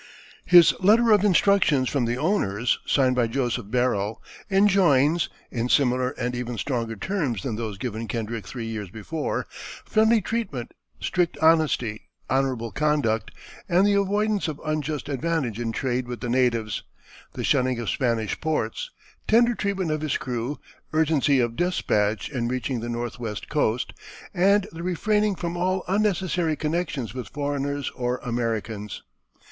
] His letter of instructions from the owners, signed by Joseph Barrell, enjoins, in similar and even stronger terms than those given Kendrick three years before, friendly treatment, strict honesty, honorable conduct, and the avoidance of unjust advantage in trade with the natives, the shunning of Spanish ports, tender treatment of his crew, urgency of despatch in reaching the northwest coast, and the refraining from all unnecessary connections with foreigners or Americans.